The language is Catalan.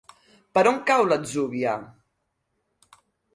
Per on cau l'Atzúbia?